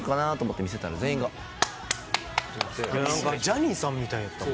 ジャニーさんみたいやった。